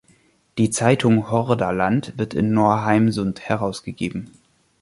Die Zeitung „Hordaland“ wird in Norheimsund herausgegeben.